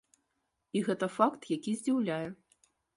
І гэта факт, які здзіўляе.